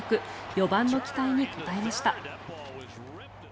４番の期待に応えました。